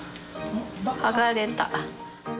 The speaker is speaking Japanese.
剥がれた。